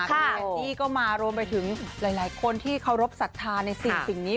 คุณแนนซี่ก็มารวมไปถึงหลายคนที่เคารพสัทธาในสิ่งนี้